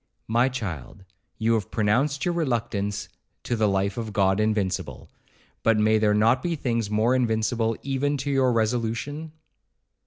'My child, you have pronounced your reluctance to the life of God invincible, but may there not be things more invincible even to your resolution?